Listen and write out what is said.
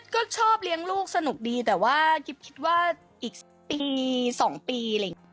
ก็ชอบเลี้ยงลูกสนุกดีแต่ว่าคิดว่าอีกปีสองปี